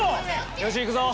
よしいくぞ。